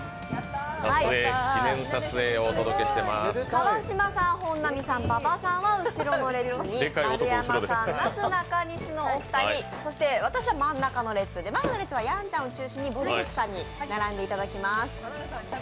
川島さん、本並さん、馬場さんは後ろに、丸山さん、なすなかにしのお二人そして私は真ん中の列で前の列はやんちゃんを中心にぼる塾さんに並んでいただきます。